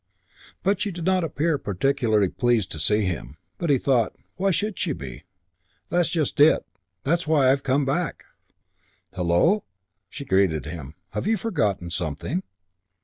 But she did not appear particularly pleased to see him. But he thought, "Why should she be? That's just it. That's why I've come back." "Hullo?" she greeted him. "Have you forgotten something?"